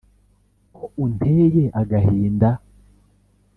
ko unteye agahinda